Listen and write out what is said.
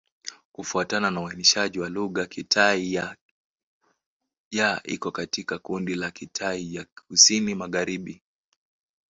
Kufuatana na uainishaji wa lugha, Kitai-Ya iko katika kundi la Kitai ya Kusini-Magharibi.